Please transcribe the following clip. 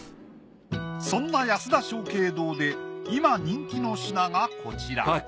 そんな安田松慶堂で今人気の品がこちら。